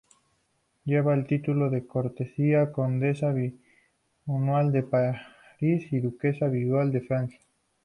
Lleva el título de cortesía "condesa viuda de París" y "duquesa viuda de Francia".